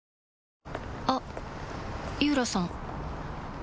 あっ井浦さん